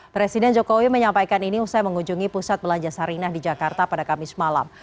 presiden jokowi menyampaikan ini usai mengunjungi pusat belanja sarinah di jakarta pada kamis malam